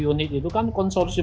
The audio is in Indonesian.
menyiapkan tahap konsorsium